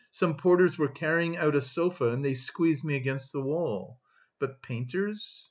Some porters were carrying out a sofa and they squeezed me against the wall. But painters...